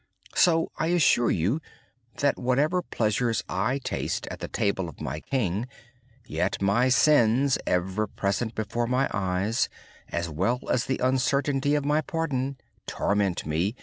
So I assure you, that whatever pleasures I taste at the table of my King, my sins, ever present before my eyes, as well as the uncertainty of my pardon, torment me.